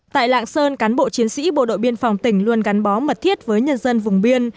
tại lạng sơn cán bộ chiến sĩ bộ đội biên phòng tỉnh luôn gắn bó mật thiết với nhân dân vùng biên